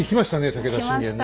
武田信玄ね。